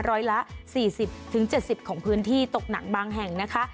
ร้อยละ๔๐๗๐ของพื้นที่ตกหนักบางแห่งนะคะ